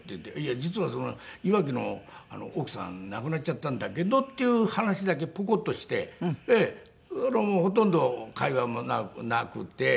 「実はいわきの奥さん亡くなっちゃったんだけど」っていう話だけポコッとしてほとんど会話もなくて。